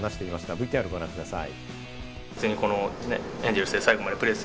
ＶＴＲご覧ください。